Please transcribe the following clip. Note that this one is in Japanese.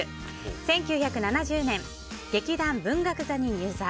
１９７０年、劇団文学座に入座。